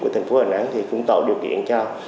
của thành phố đà nẵng thì cũng tạo điều kiện cho